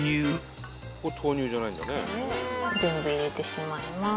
全部入れてしまいます。